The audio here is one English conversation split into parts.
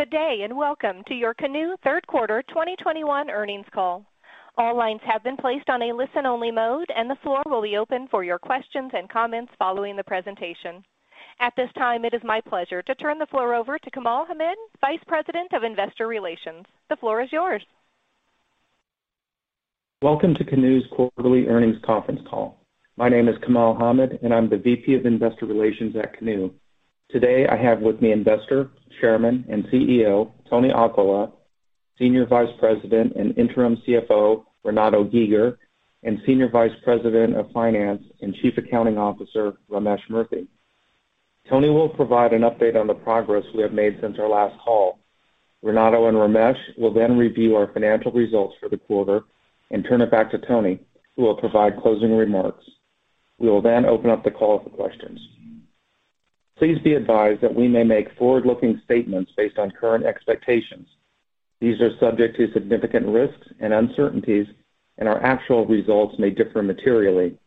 Good day, and welcome to your Canoo Q3 2021 earnings call. All lines have been placed on a listen-only mode, and the floor will be open for your questions and comments following the presentation. At this time, it is my pleasure to turn the floor over to Kamal Hamid, Vice President of Investor Relations. The floor is yours. Welcome to Canoo's quarterly earnings conference call. My name is Kamal Hamid, and I'm the VP of Investor Relations at Canoo. Today, I have with me Investor, Chairman, and CEO, Tony Aquila, Senior Vice President and Interim CFO, Renato Giger, and Senior Vice President of Finance and Chief Accounting Officer, Ramesh Murthy. Tony will provide an update on the progress we have made since our last call. Renato and Ramesh will then review our financial results for the quarter and turn it back to Tony, who will provide closing remarks. We will then open up the call for questions. Please be advised that we may make forward-looking statements based on current expectations. These are subject to significant risks and uncertainties, and our actual results may differ materially.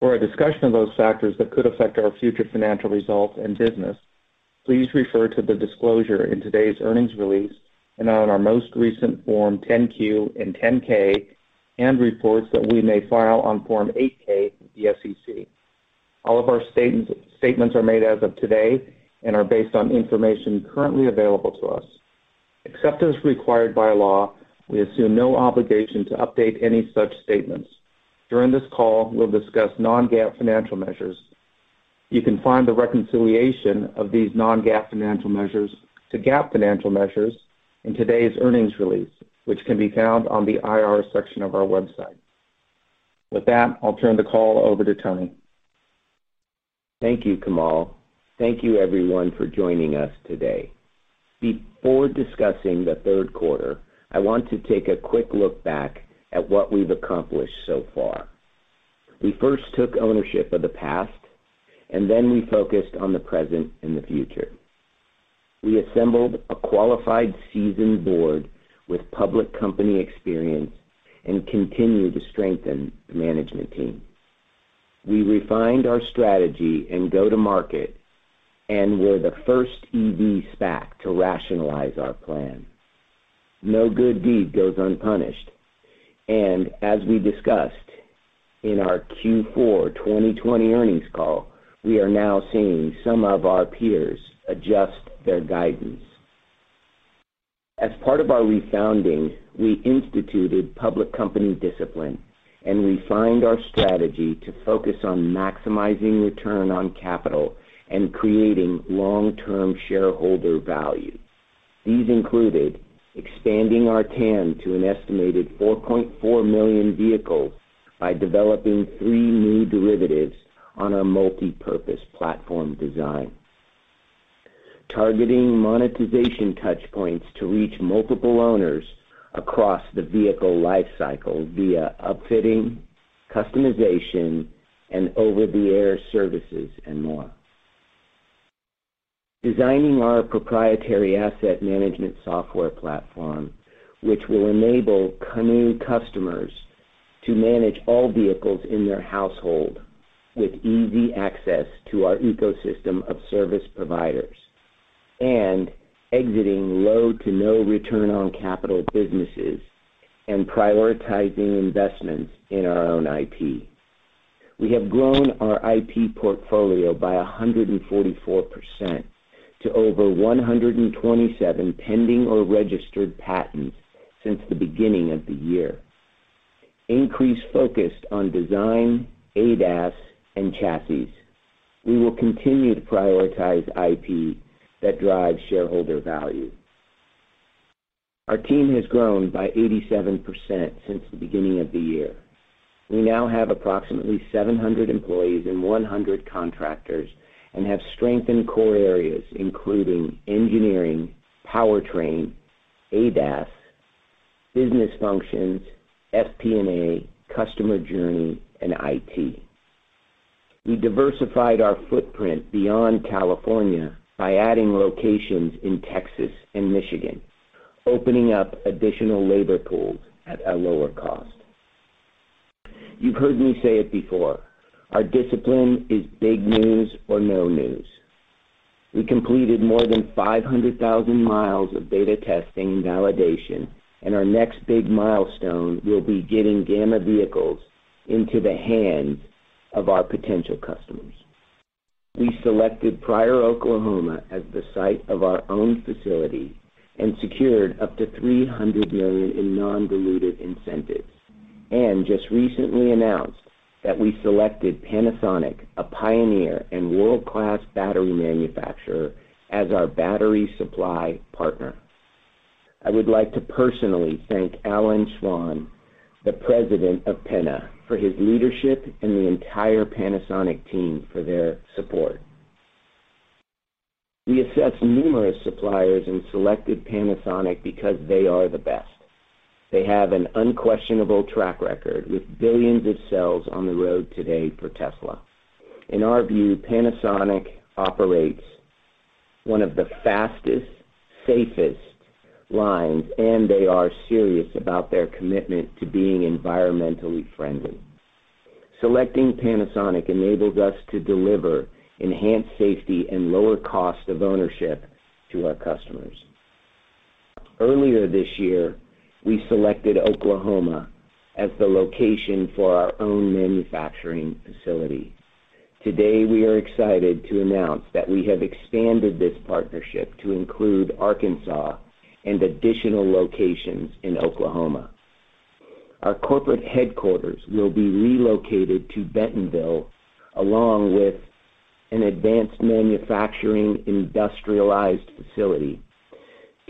For a discussion of those factors that could affect our future financial results and business, please refer to the disclosure in today's earnings release and on our most recent Form 10-Q and 10-K and reports that we may file on Form 8-K with the SEC. All of our statements are made as of today and are based on information currently available to us. Except as required by law, we assume no obligation to update any such statements. During this call, we'll discuss non-GAAP financial measures. You can find the reconciliation of these non-GAAP financial measures to GAAP financial measures in today's earnings release, which can be found on the IR section of our website. With that, I'll turn the call over to Tony. Thank you, Kamal. Thank you, everyone, for joining us today. Before discussing the Q3, I want to take a quick look back at what we've accomplished so far. We first took ownership of the past, and then we focused on the present and the future. We assembled a qualified seasoned board with public company experience and continued to strengthen the management team. We refined our strategy and go-to-market, and we're the first EV SPAC to rationalize our plan. No good deed goes unpunished. As we discussed in our Q4 2020 earnings call, we are now seeing some of our peers adjust their guidance. As part of our refounding, we instituted public company discipline and refined our strategy to focus on maximizing return on capital and creating long-term shareholder value. These included expanding our TAM to an estimated 4.4 million vehicles by developing three new derivatives on a multipurpose platform design. Targeting monetization touchpoints to reach multiple owners across the vehicle life cycle via upfitting, customization, and over-the-air services and more. Designing our proprietary asset management software platform, which will enable Canoo customers to manage all vehicles in their household with easy access to our ecosystem of service providers. Exiting low to no return on capital businesses and prioritizing investments in our own IP. We have grown our IP portfolio by 144% to over 127 pending or registered patents since the beginning of the year. Increased focus on design, ADAS, and chassis. We will continue to prioritize IP that drives shareholder value. Our team has grown by 87% since the beginning of the year. We now have approximately 700 employees and 100 contractors and have strengthened core areas, including engineering, powertrain, ADAS, business functions, FP&A, customer journey, and IT. We diversified our footprint beyond California by adding locations in Texas and Michigan, opening up additional labor pools at a lower cost. You've heard me say it before, our discipline is big news or no news. We completed more than 500,000 miles of beta testing and validation, and our next big milestone will be getting gamma vehicles into the hands of our potential customers. We selected Pryor, Oklahoma, as the site of our own facility and secured up to $300 million in non-dilutive incentives and just recently announced that we selected Panasonic, a pioneer and world-class battery manufacturer, as our battery supply partner. I would like to personally thank Allan Swan, President of Panasonic, for his leadership and the entire Panasonic team for their support. We assessed numerous suppliers and selected Panasonic because they are the best. They have an unquestionable track record with billions of cells on the road today for Tesla. In our view, Panasonic operates one of the fastest, safest lines, and they are serious about their commitment to being environmentally friendly. Selecting Panasonic enables us to deliver enhanced safety and lower cost of ownership to our customers. Earlier this year, we selected Oklahoma as the location for our own manufacturing facility. Today, we are excited to announce that we have expanded this partnership to include Arkansas and additional locations in Oklahoma. Our corporate headquarters will be relocated to Bentonville, along with an advanced manufacturing industrialized facility.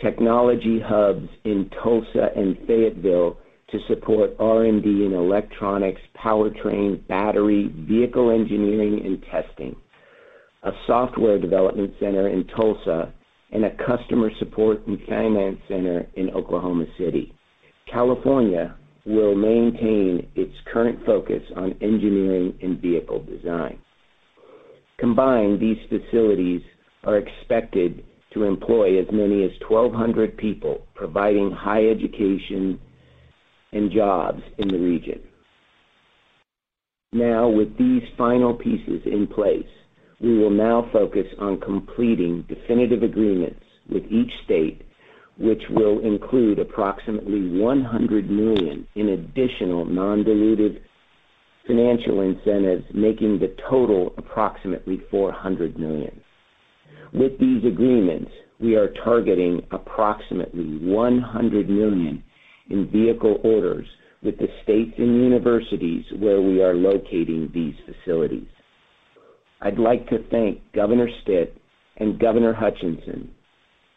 Technology hubs in Tulsa and Fayetteville to support R&D in electronics, powertrain, battery, vehicle engineering, and testing. A software development center in Tulsa and a customer support and finance center in Oklahoma City. California will maintain its current focus on engineering and vehicle design. Combined, these facilities are expected to employ as many as 1,200 people, providing high education and jobs in the region. Now, with these final pieces in place, we will now focus on completing definitive agreements with each state, which will include approximately $100 million in additional non-diluted financial incentives, making the total approximately $400 million. With these agreements, we are targeting approximately $100 million in vehicle orders with the states and universities where we are locating these facilities. I'd like to thank Governor Stitt and Governor Hutchinson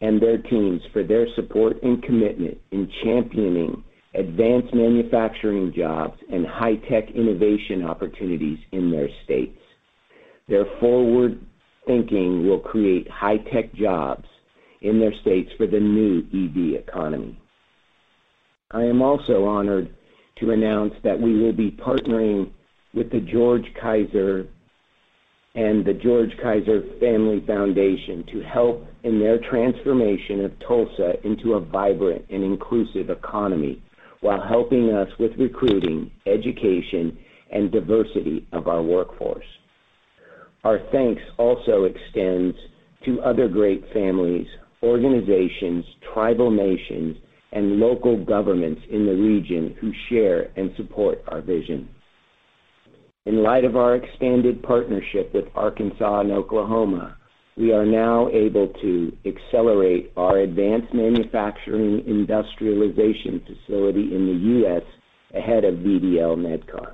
and their teams for their support and commitment in championing advanced manufacturing jobs and high-tech innovation opportunities in their states. Their forward thinking will create high-tech jobs in their states for the new EV economy. I am also honored to announce that we will be partnering with the George Kaiser and the George Kaiser Family Foundation to help in their transformation of Tulsa into a vibrant and inclusive economy while helping us with recruiting, education, and diversity of our workforce. Our thanks also extends to other great families, organizations, tribal nations, and local governments in the region who share and support our vision. In light of our expanded partnership with Arkansas and Oklahoma, we are now able to accelerate our advanced manufacturing industrialization facility in the U.S. ahead of VDL Nedcar.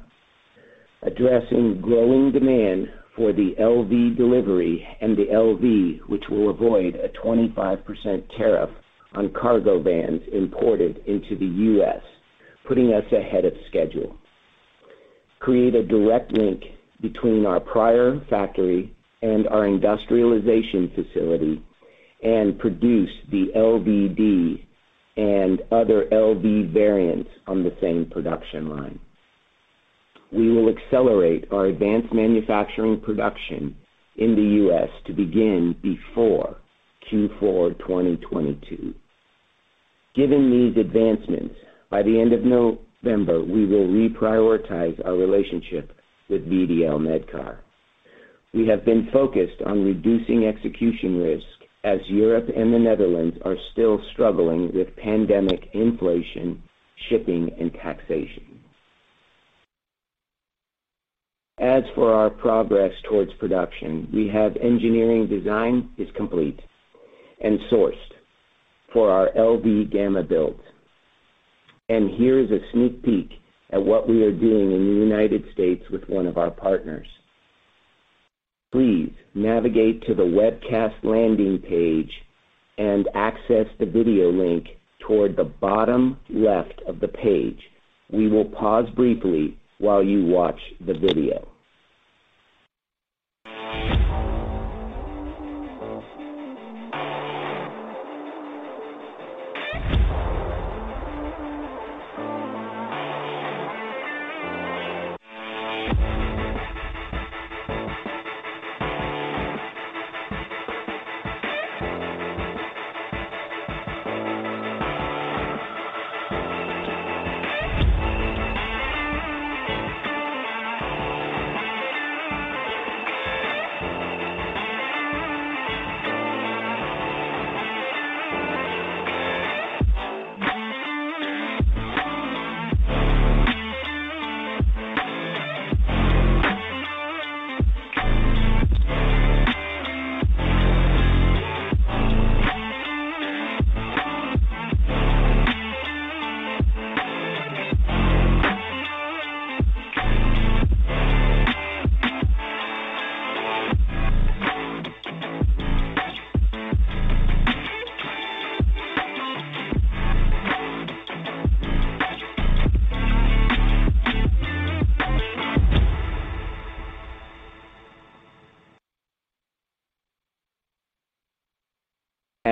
Addressing growing demand for the LDV and the LV, which will avoid a 25% tariff on cargo vans imported into the U.S., putting us ahead of schedule. Create a direct link between our prior factory and our industrialization facility, and produce the LDV and other LV variants on the same production line. We will accelerate our advanced manufacturing production in the U.S. to begin before Q4 2022. Given these advancements, by the end of November, we will reprioritize our relationship with VDL Nedcar. We have been focused on reducing execution risk as Europe and the Netherlands are still struggling with pandemic inflation, shipping, and taxation. As for our progress towards production, we have our engineering design complete and sourced for our LV Gamma build. Here is a sneak peek at what we are doing in the United States with one of our partners. Please navigate to the webcast landing page and access the video link toward the bottom left of the page. We will pause briefly while you watch the video.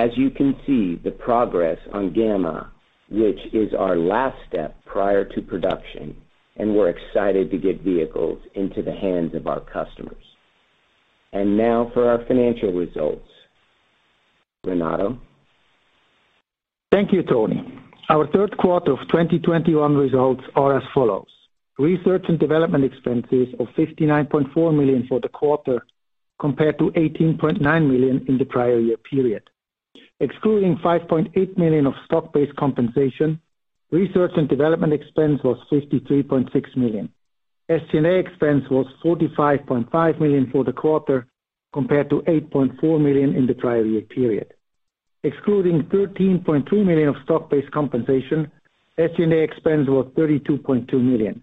As you can see, the progress on Gamma, which is our last step prior to production, and we're excited to get vehicles into the hands of our customers. Now for our financial results. Renato? Thank you, Tony. Our Q3 of 2021 results are as follows. Research and development expenses of $59.4 million for the quarter compared to $18.9 million in the prior year period. Excluding $5.8 million of stock-based compensation, research and development expense was $53.6 million. SG&A expense was $45.5 million for the quarter compared to $8.4 million in the prior year period. Excluding $13.2 million of stock-based compensation, SG&A expense was $32.2 million.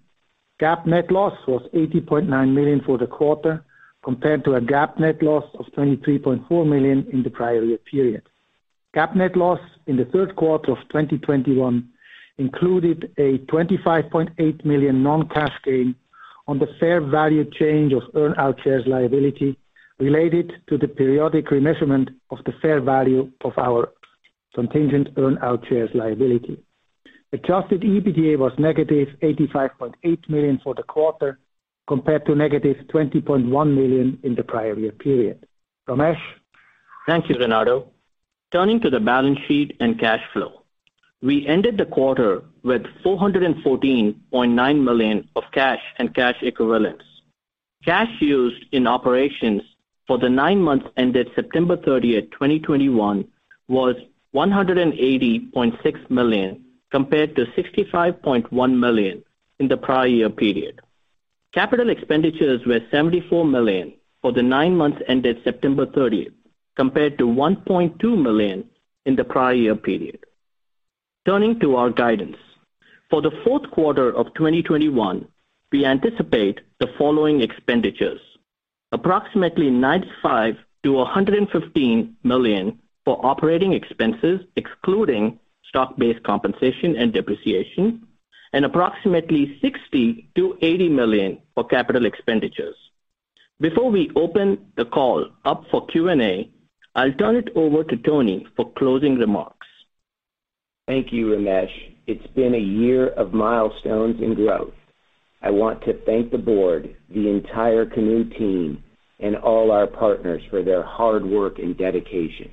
GAAP net loss was $80.9 million for the quarter compared to a GAAP net loss of $23.4 million in the prior year period. GAAP net loss in the Q3 of 2021 included a $25.8 million non-cash gain on the fair value change of earn-out shares liability related to the periodic remeasurement of the fair value of our contingent earn-out shares liability. Adjusted EBITDA was -$85.8 million for the quarter compared to -$20.1 million in the prior year period. Ramesh? Thank you, Renato. Turning to the balance sheet and cash flow. We ended the quarter with $414.9 million of cash and cash equivalents. Cash used in operations for the nine months ended September 30, 2021 was $180.6 million compared to $65.1 million in the prior year period. Capital expenditures were $74 million for the nine months ended September 30 compared to $1.2 million in the prior year period. Turning to our guidance. For the Q4 of 2021, we anticipate the following expenditures. Approximately $95 million-$115 million for operating expenses, excluding stock-based compensation and depreciation, and approximately $60 million-$80 million for capital expenditures. Before we open the call up for Q&A, I'll turn it over to Tony for closing remarks. Thank you, Ramesh. It's been a year of milestones and growth. I want to thank the board, the entire Canoo team, and all our partners for their hard work and dedication.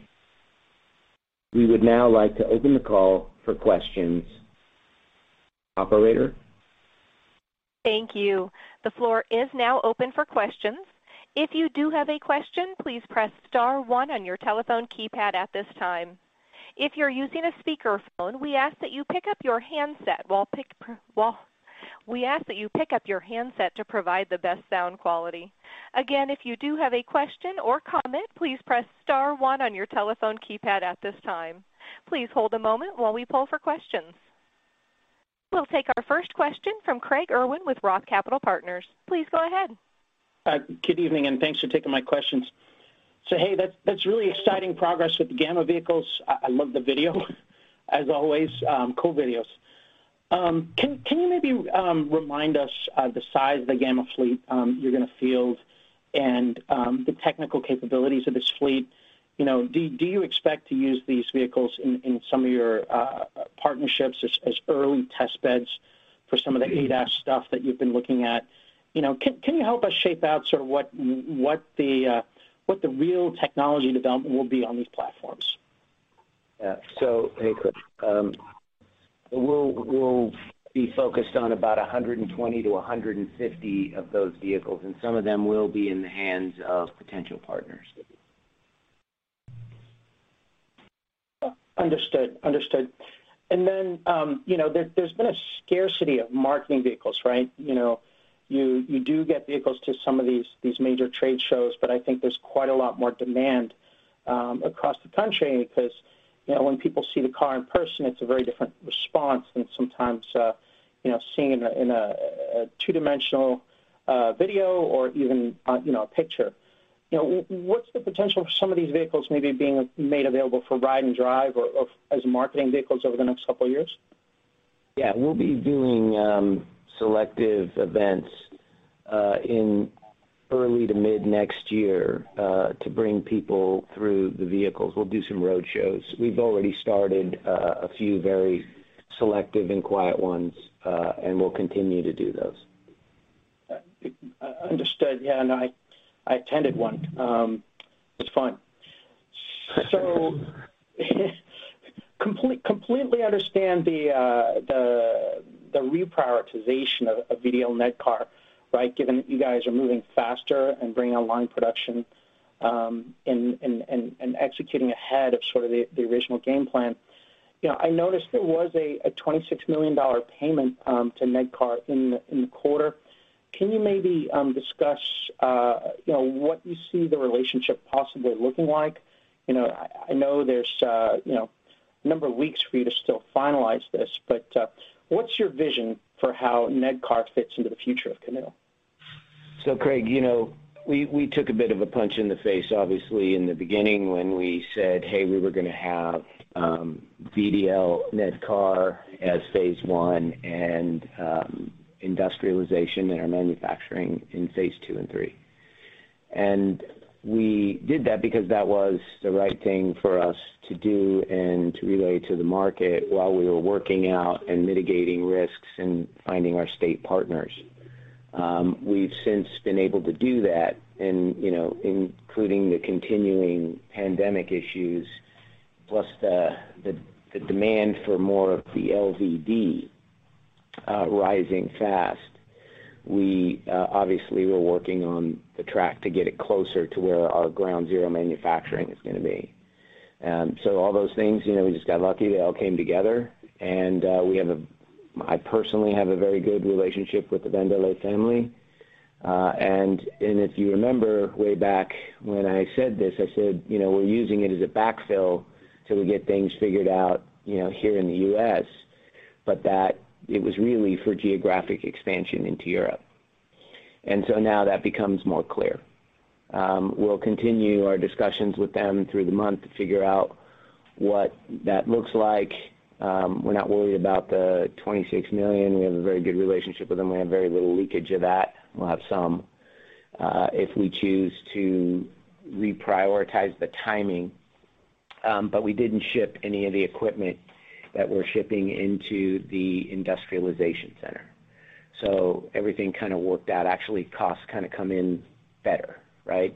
We would now like to open the call for questions. Operator? Thank you. The floor is now open for questions. If you do have a question, please press star one on your telephone keypad at this time. If you're using a speakerphone, we ask that you pick up your handset to provide the best sound quality. Again, if you do have a question or comment, please press star one on your telephone keypad at this time. Please hold a moment while we poll for questions. We'll take our first question from Craig Irwin with Roth Capital Partners. Please go ahead. Good evening, and thanks for taking my questions. Hey, that's really exciting progress with the Gamma vehicles. I love the video as always, cool videos. Can you maybe remind us the size of the Gamma fleet you're gonna field and the technical capabilities of this fleet? You know, do you expect to use these vehicles in some of your partnerships as early test beds for some of the ADAS stuff that you've been looking at? You know, can you help us shape out sort of what the real technology development will be on these platforms? Hey, Craig. We'll be focused on about 120-150 of those vehicles, and some of them will be in the hands of potential partners. Understood. There's been a scarcity of marketing vehicles, right? You know, you do get vehicles to some of these major trade shows, but I think there's quite a lot more demand across the country because, you know, when people see the car in person, it's a very different response than sometimes, you know, seeing it in a two-dimensional video or even, you know, a picture. You know, what's the potential for some of these vehicles maybe being made available for ride and drive or as marketing vehicles over the next couple of years? Yeah. We'll be doing selective events in early to mid next year to bring people through the vehicles. We'll do some roadshows. We've already started a few very selective and quiet ones, and we'll continue to do those. Understood. Yeah, no, I attended one. It was fun. Completely understand the reprioritization of VDL Nedcar, right? Given that you guys are moving faster and bringing online production, and executing ahead of sort of the original game plan. You know, I noticed there was a $26 million payment to Nedcar in the quarter. Can you maybe discuss, you know, what you see the relationship possibly looking like? You know, I know there's a number of weeks for you to still finalize this, but what's your vision for how Nedcar fits into the future of Canoo? Craig, you know, we took a bit of a punch in the face, obviously, in the beginning when we said, "Hey, we were gonna have VDL Nedcar as phase one and industrialization and our manufacturing in phase two and three." We did that because that was the right thing for us to do and to relay to the market while we were working out and mitigating risks and finding our state partners. We've since been able to do that and, you know, including the continuing pandemic issues, plus the demand for more of the LDV rising fast. Obviously we're working on the track to get it closer to where our ground zero manufacturing is gonna be. All those things, you know, we just got lucky they all came together. I personally have a very good relationship with the Van der Leegte family. If you remember way back when I said this, I said, you know, we're using it as a backfill till we get things figured out, you know, here in the U.S., but that it was really for geographic expansion into Europe. Now that becomes more clear. We'll continue our discussions with them through the month to figure out what that looks like. We're not worried about the $26 million. We have a very good relationship with them. We have very little leakage of that. We'll have some if we choose to reprioritize the timing. We didn't ship any of the equipment that we're shipping into the industrialization center. Everything kind of worked out. Actually, costs kind of come in better, right?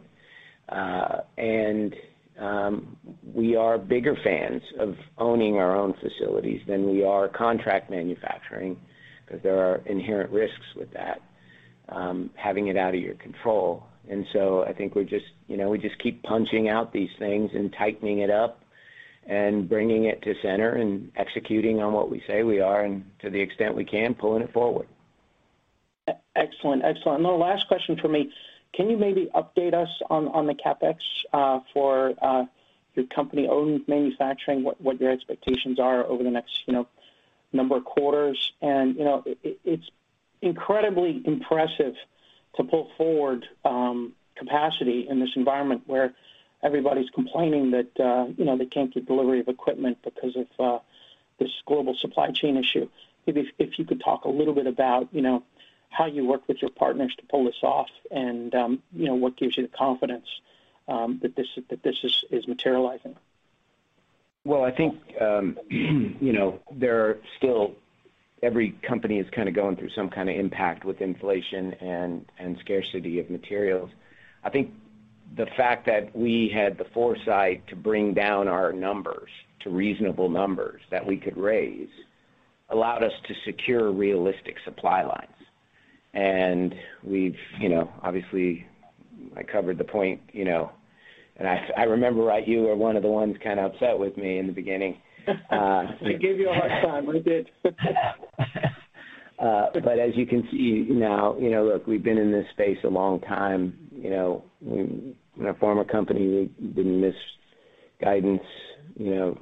We are bigger fans of owning our own facilities than we are contract manufacturing, because there are inherent risks with that, having it out of your control. I think we just, you know, we just keep punching out these things and tightening it up and bringing it to center and executing on what we say we are and to the extent we can, pulling it forward. Excellent. The last question from me, can you maybe update us on the CapEx for your company-owned manufacturing, what your expectations are over the next, you know, number of quarters? You know, it's incredibly impressive to pull forward capacity in this environment where everybody's complaining that, you know, they can't get delivery of equipment because of this global supply chain issue. If you could talk a little bit about, you know, how you work with your partners to pull this off and, you know, what gives you the confidence that this is materializing. Well, I think, you know, there are still every company is kind of going through some kind of impact with inflation and scarcity of materials. I think the fact that we had the foresight to bring down our numbers to reasonable numbers that we could raise allowed us to secure realistic supply lines. We've, you know, obviously I covered the point, you know. I remember, right, you were one of the ones kinda upset with me in the beginning. I gave you a hard time, I did. As you can see now, you know, look, we've been in this space a long time. You know, in a former company, we didn't miss guidance, you know,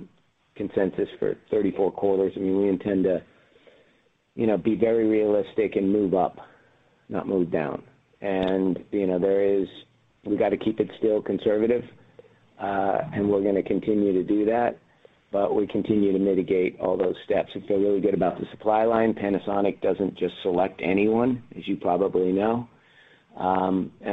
consensus for 34 quarters. I mean, we intend to, you know, be very realistic and move up, not move down. You know, there is we gotta keep it still conservative, and we're gonna continue to do that, but we continue to mitigate all those steps and feel really good about the supply line. Panasonic doesn't just select anyone, as you probably know.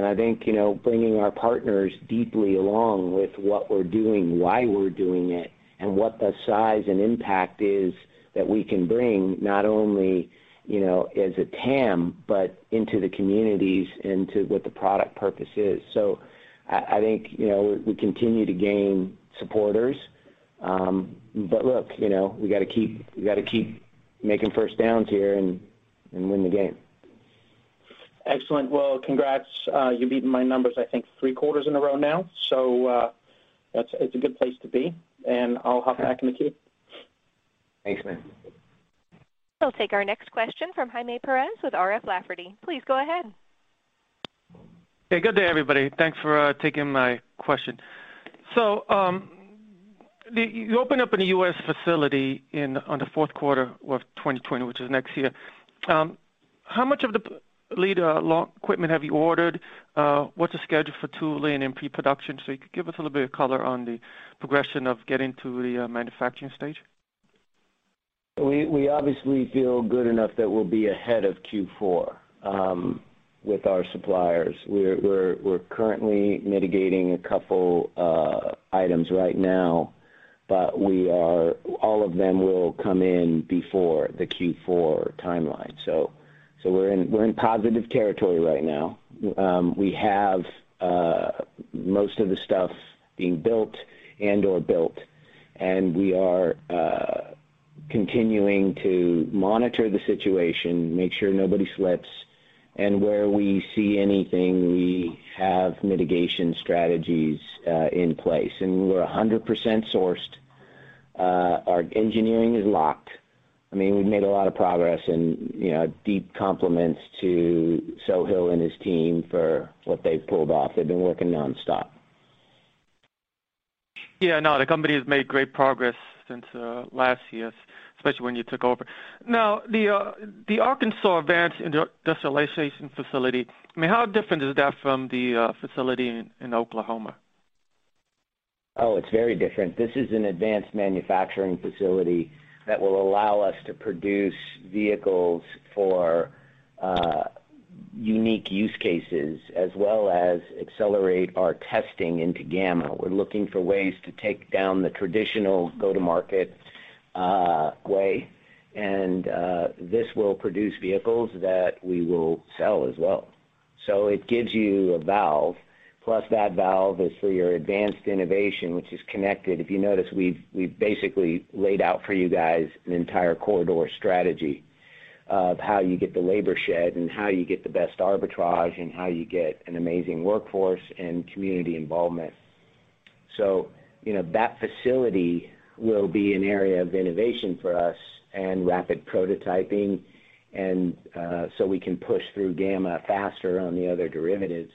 I think, you know, bringing our partners deeply along with what we're doing, why we're doing it, and what the size and impact is that we can bring not only, you know, as a TAM, but into the communities, into what the product purpose is. I think, you know, we continue to gain supporters. Look, you know, we gotta keep making first downs here and win the game. Excellent. Well, congrats. You've beaten my numbers, I think, three quarters in a row now, so, that's. It's a good place to be. I'll hop back in the queue. Thanks, man. We'll take our next question from Jaime Perez with RF Lafferty. Please go ahead. Hey, good day, everybody. Thanks for taking my question. You open up in a U.S. facility in the fourth quarter of 2020, which is next year. How much of the long-lead equipment have you ordered? What's the schedule for tooling and pre-production? You could give us a little bit of color on the progression of getting to the manufacturing stage. We obviously feel good enough that we'll be ahead of Q4 with our suppliers. We're currently mitigating a couple items right now, but all of them will come in before the Q4 timeline. So we're in positive territory right now. We have most of the stuff being built and/or built, and we are continuing to monitor the situation, make sure nobody slips. Where we see anything, we have mitigation strategies in place. We're 100% sourced. Our engineering is locked. I mean, we've made a lot of progress and, you know, deep compliments to Sohil and his team for what they've pulled off. They've been working nonstop. Yeah, no, the company has made great progress since last year, especially when you took over. Now, the Arkansas Advanced Industrialization Facility, I mean, how different is that from the facility in Oklahoma? Oh, it's very different. This is an advanced manufacturing facility that will allow us to produce vehicles for unique use cases, as well as accelerate our testing into gamma. We're looking for ways to take down the traditional go-to-market way. This will produce vehicles that we will sell as well. It gives you a value, plus that value is for your advanced innovation which is connected. If you notice, we've basically laid out for you guys an entire corridor strategy of how you get the labor shed and how you get the best arbitrage and how you get an amazing workforce and community involvement. You know, that facility will be an area of innovation for us and rapid prototyping and so we can push through gamma faster on the other derivatives,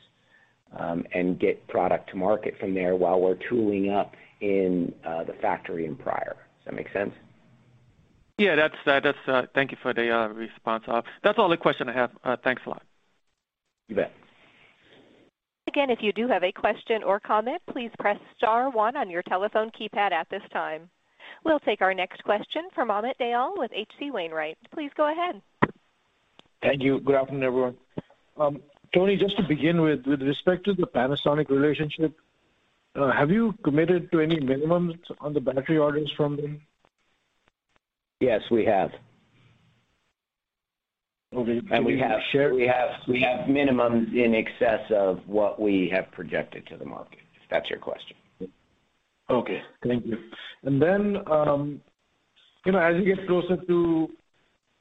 and get product to market from there while we're tooling up in the factory in Pryor. Does that make sense? Yeah, that's. Thank you for the response. That's all the question I have. Thanks a lot. You bet. Again, if you do have a question or comment, please press star one on your telephone keypad at this time. We'll take our next question from Amit Dayal with HC Wainwright. Please go ahead. Thank you. Good afternoon, everyone. Tony, just to begin with respect to the Panasonic relationship, have you committed to any minimums on the battery orders from them? Yes, we have. Okay. We have Can you share? We have minimums in excess of what we have projected to the market, if that's your question. Okay, thank you. You know, as you get closer to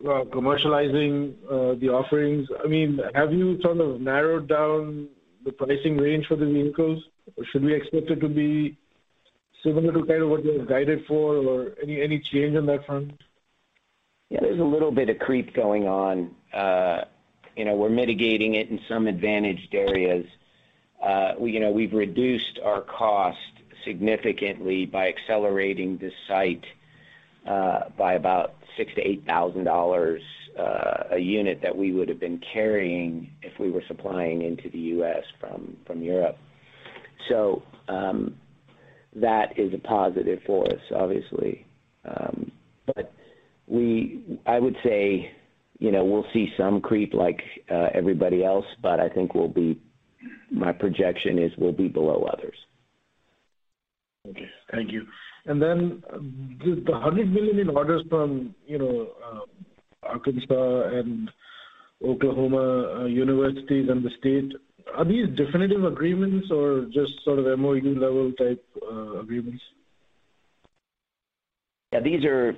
commercializing the offerings, I mean, have you sort of narrowed down the pricing range for the vehicles? Or should we expect it to be similar to kind of what you have guided for or any change on that front? Yeah, there's a little bit of creep going on. You know, we're mitigating it in some advantaged areas. We, you know, we've reduced our cost significantly by accelerating the site, by about $6,000-$8,000 a unit that we would have been carrying if we were supplying into the U.S. from Europe. That is a positive for us, obviously. I would say, you know, we'll see some creep like everybody else, but I think we'll be below others. My projection is we'll be below others. Okay, thank you. Then the $100 million in orders from, you know, Arkansas and Oklahoma universities and the state, are these definitive agreements or just sort of MOU level type agreements? Yeah, these are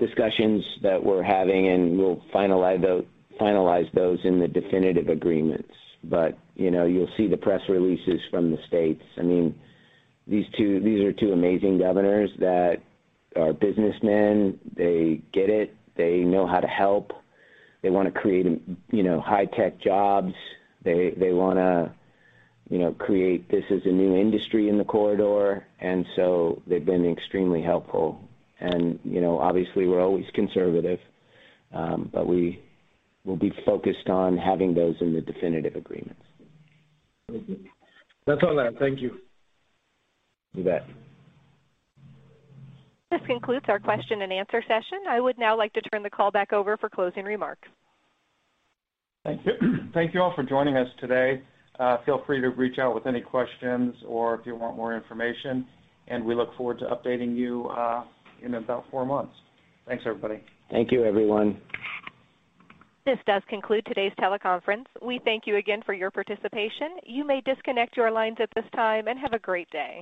discussions that we're having, and we'll finalize those in the definitive agreements. You know, you'll see the press releases from the states. I mean, these are two amazing governors that are businessmen. They get it. They know how to help. They wanna create, you know, high-tech jobs. They wanna, you know, create this as a new industry in the corridor, and so they've been extremely helpful. You know, obviously, we're always conservative, but we will be focused on having those in the definitive agreements. Okay. That's all I have. Thank you. You bet. This concludes our question-and-answer session. I would now like to turn the call back over for closing remarks. Thank you. Thank you all for joining us today. Feel free to reach out with any questions or if you want more information, and we look forward to updating you in about four months. Thanks, everybody. Thank you, everyone. This does conclude today's teleconference. We thank you again for your participation. You may disconnect your lines at this time, and have a great day.